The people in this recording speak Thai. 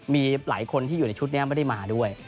มีหลายคนที่อยู่ในชุดนี้ไม่ได้มาด้วย